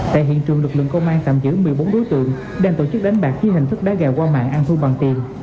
tại hiện trường lực lượng công an tạm giữ một mươi bốn đối tượng đang tổ chức đánh bạc dưới hình thức đá gà qua mạng ăn thu bằng tiền